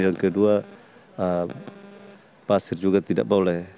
yang kedua pasir juga tidak boleh